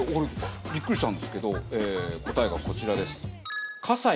びっくりしたんですけど答えがこちらです。